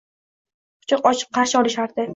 Quchoq ochib qarshi olishlardi.